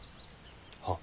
はっ。